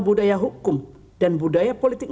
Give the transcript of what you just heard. budaya hukum dan budaya politik